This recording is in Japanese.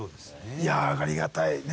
いやありがたいね。